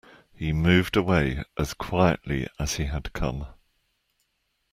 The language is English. He moved away as quietly as he had come.